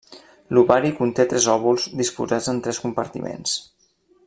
L'ovari conté tres òvuls disposats en tres compartiments.